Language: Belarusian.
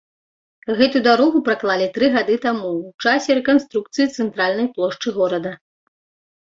Гэту дарогу праклалі тры гады таму ў часе рэканструкцыі цэнтральнай плошчы горада.